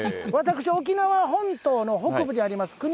私、沖縄本島の北部にあります